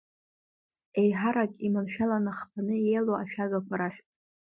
Еиҳарак иманшәаланы хԥаны еилоу ашәагақәа рахьтә.